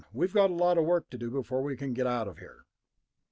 We've got a lot of work to do before we can get out of here."